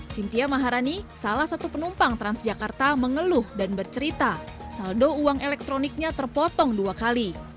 cynthia maharani salah satu penumpang transjakarta mengeluh dan bercerita saldo uang elektroniknya terpotong dua kali